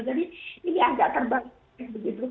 jadi ini agak terbang